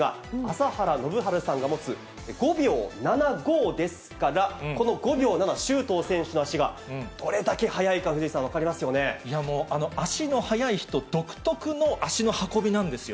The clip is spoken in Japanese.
ちなみに５０メートル走の日本記録が朝原宣治さんが持つ５秒７５ですから、この５秒７、周東選手の足がどれだけ速いか、藤井さん、足の速い人独特の足の運びなんですよ。